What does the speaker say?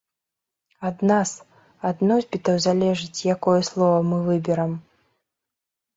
Ад нас, ад носьбітаў, залежыць, якое слова мы выберам.